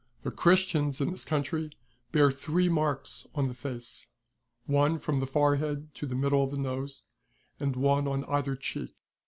The Christians in this country bear three marks on the face ;^ one from the forehead to the middle of the nose, and one on either cheek.